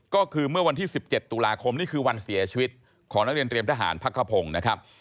ก็คือเมื่อวันที่๑๗ตุลาคมนี่คือวันเสียชีวิตของนักเรียนเตรียมทหารพักขพงศ์นะครับ